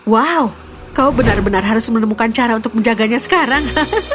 wow kau benar benar harus menemukan cara untuk menjaganya sekarang